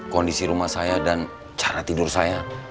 kondisi rumah saya dan cara tidur saya